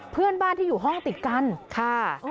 เพื่อนบ้านที่อยู่ห้องติดกันค่ะ